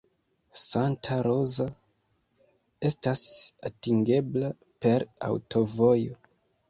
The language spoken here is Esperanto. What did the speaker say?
Santa Rosa estas atingebla per aŭtovojo.